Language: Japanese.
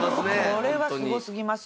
これはすごすぎます。